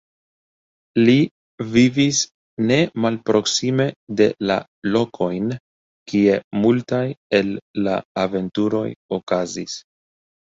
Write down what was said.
Li vivis ne malproksime de la lokojn, kie multaj el la aventuroj okazis.